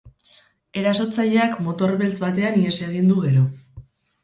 Erasotzaileak motor beltz batean ihes egin du gero.